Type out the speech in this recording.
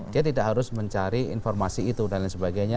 dia tidak harus mencari informasi itu dan lain sebagainya